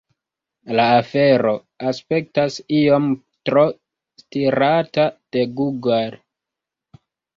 La afero aspektas iom tro stirata de Google.